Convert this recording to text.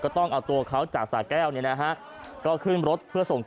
ต้องเอาตัวเขาจากสาแก้วมาขึ้นรถ